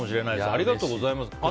ありがとうございます。